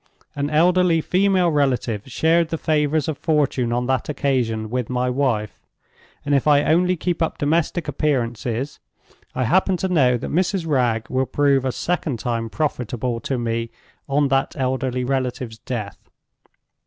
An elderly female relative shared the favors of fortune on that occasion with my wife; and if I only keep up domestic appearances, I happen to know that Mrs. Wragge will prove a second time profitable to me on that elderly relative's death.